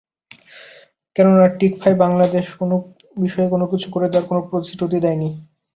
কেননা, টিকফায় বাংলাদেশ কোনো বিষয়ে কোনো কিছু করে দেওয়ার কোনো প্রতিশ্রুতি দেয়নি।